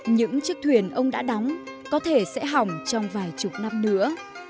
những chiếc thuyền ông đã đóng có thể sẽ hỏng trong vài chục năm nữa